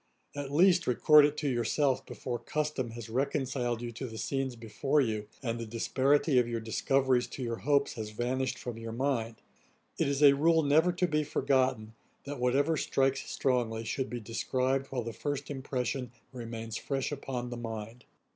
At least record it to yourself before custom has reconciled you to the scenes before you, and the disparity of your discoveries to your hopes has vanished from your mind. It is a rule never to be forgotten, that whatever strikes strongly, should be described while the first impression remains fresh upon the mind. [Page 338: A violent death. A.D.